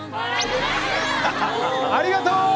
ありがとう！